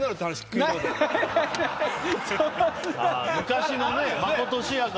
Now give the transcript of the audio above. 昔のねまことしやかな。